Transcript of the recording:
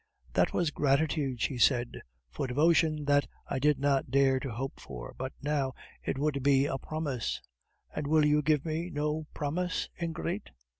"That was gratitude," she said, "for devotion that I did not dare to hope for, but now it would be a promise." "And will you give me no promise, ingrate?"